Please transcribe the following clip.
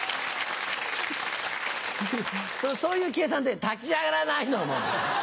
そういう計算で立ち上がらないのもう。